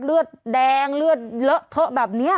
เลือดแดงเลือดเลอะเทอะแบบนี้